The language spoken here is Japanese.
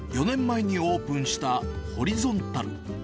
４年前にオープンした、ホリゾンタル。